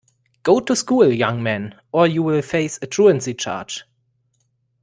Go to school, young man, or you will face a truancy charge!